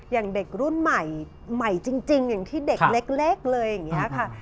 อย่างเด็กรุ่นใหม่ใหม่จริงอย่างที่เด็กเล็กเลยอย่างนี้ค่ะ